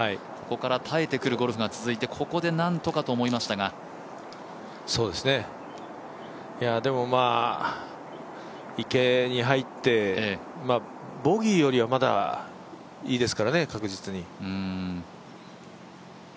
ここから耐えてくるゴルフが続いて、ここでなんとかと思いましたがでも池に入って、ボギーよりはまだいいですからね、確実に。